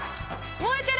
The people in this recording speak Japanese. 燃えてる！